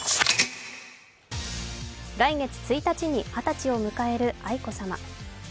来月１日に二十歳を迎える愛子さま。